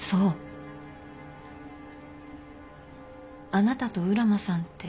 あなたと浦真さんって。